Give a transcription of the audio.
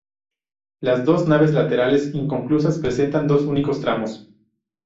Las dos naves laterales inconclusas presentan dos únicos tramos.